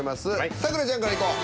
咲楽ちゃんからいこう。